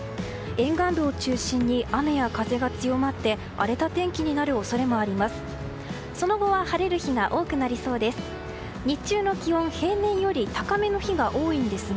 沿岸部を中心に雨や風が強まって荒れた天気になる恐れもあります。